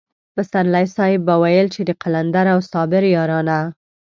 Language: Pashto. پسرلی صاحب به ويل چې د قلندر او صابر يارانه.